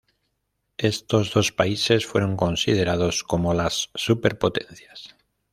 Estos dos países fueron considerados como las superpotencias.